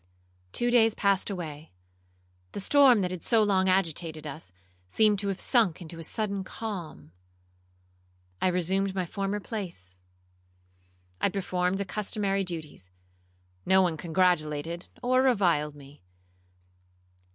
Two days passed away,—the storm that had so long agitated us, seemed to have sunk into a sudden calm. I resumed my former place,—I performed the customary duties,—no one congratulated or reviled me.